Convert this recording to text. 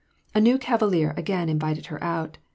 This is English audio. A new cavalier again invited her out.